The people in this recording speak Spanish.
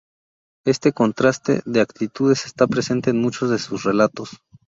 Este contraste de actitudes está presente en muchos de sus relatos.